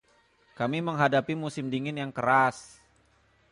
Kami menghadapi musim dingin yang keras.